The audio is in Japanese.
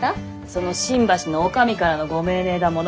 その新橋の女将からのご命令だもの。